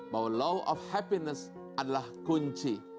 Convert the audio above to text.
bahwa law of happiness adalah kunci